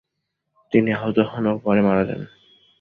তিনি আহত হন ও পরে মারা যান।